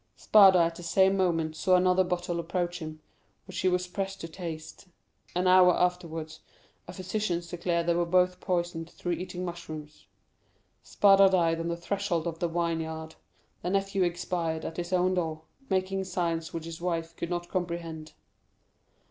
Spada at the same moment saw another bottle approach him, which he was pressed to taste. An hour afterwards a physician declared they were both poisoned through eating mushrooms. Spada died on the threshold of the vineyard; the nephew expired at his own door, making signs which his wife could not comprehend.